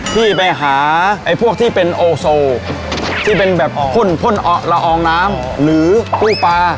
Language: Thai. ที่ไปหาไอ้พวกที่เป็นโอโซที่เป็นแบบพ่นพ่นละอองน้ำหรือกู้ปลา